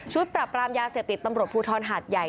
ชุดปรับกรามยาเสียบติดตำรวจภูทรหัสใหญ่